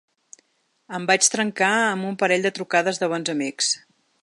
Em vaig trencar amb un parell de trucades de bons amics.